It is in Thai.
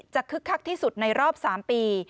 คึกคักที่สุดในรอบ๓ปี